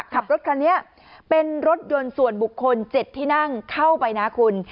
ขับรถคันนี้เป็นรถยนต์ส่วนบุคคล๗ที่นั่งเข้าไปนะคุณ